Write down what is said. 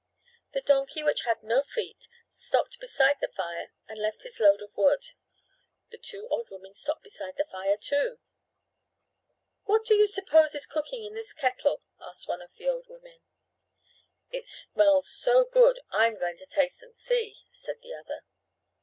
The donkey which had no feet stopped beside the fire and left his load of wood. The two old women stopped beside the fire, too. "What do you suppose is cooking in this kettle?" asked one of the old women. "It smells so good I'm going to taste and see," said the other.